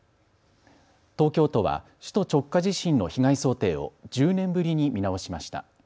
東京都は首都直下地震の被害想定を１０年ぶりに見直しました。